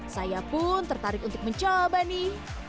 saya pun tertarik untuk mencoba nih